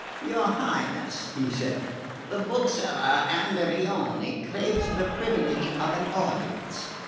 "Your Highness," he said, "the bookseller Andreoni craves the privilege of an audience."